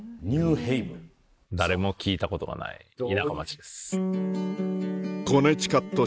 誰も聞いたことがない田舎町です。